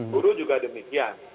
guru juga demikian